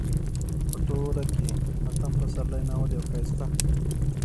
په ټوله کې اتم پسرلی ناول يو ښايسته